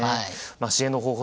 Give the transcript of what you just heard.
支援の方法